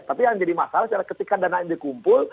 tapi yang jadi masalah ketika dana yang dikumpul